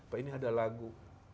pak ini ada lagu